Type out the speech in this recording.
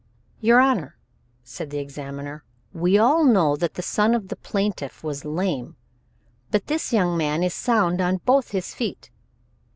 "Your Honor," said the examiner, "we all know that the son of the plaintiff was lame, but this young man is sound on both his feet.